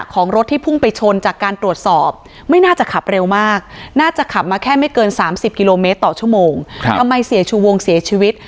๓๐กิโลเมตรต่อชั่วโมงทำไมเสียชูวงเสียชีวิต